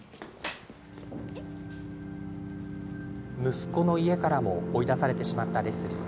息子の家からも追い出されてしまったレスリー。